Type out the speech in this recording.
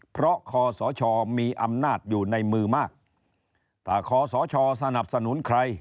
เพราะคอสชมีอำนาจอยู่ในมือมากแต่คอสชสนับสนุนใคร